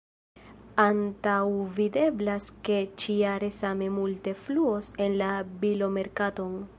Antaŭvideblas ke ĉi-jare same multe fluos en la bilomerkaton.